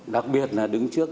đặc biệt là đứng trước